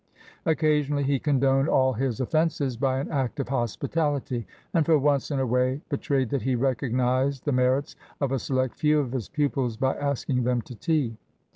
Occasionally he condoned all his offences by an act of hospitality, and for once in a way betrayed that he recognised the merits of a select few of his pupils by asking them to tea.